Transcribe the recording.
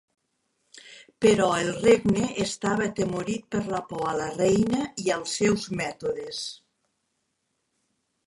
Però el regne estava atemorit per la por a la reina i als seus mètodes.